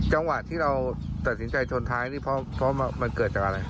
จังหวะที่เราตัดสินใจชนท้ายนี่เพราะมันเกิดจากอะไร